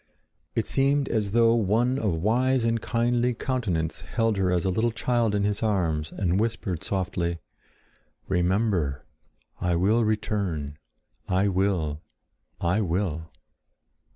It seemed as though one of wise and kindly countenance held her as a little child in his arms and whispered softly, "Remember! I will return! I will! I will!"